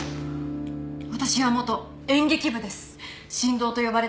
私は元演劇部です。